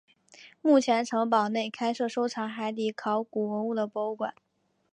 目前城堡内开设收藏海底考古文物的博物馆。